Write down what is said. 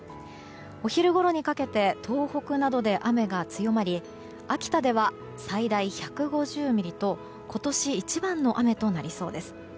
お昼ごろにかけて東北などで雨が強まり秋田では最大１５０ミリと今年一番の雨となりそうです。